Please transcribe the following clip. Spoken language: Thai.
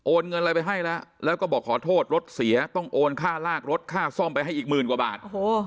เงินอะไรไปให้แล้วแล้วก็บอกขอโทษรถเสียต้องโอนค่าลากรถค่าซ่อมไปให้อีกหมื่นกว่าบาท